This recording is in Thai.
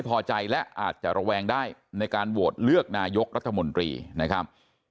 พอใจและอาจจะระแวงได้ในการโหวตเลือกนายกรัฐมนตรีนะครับ